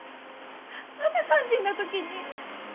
また肝心な時に。